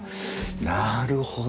なるほど。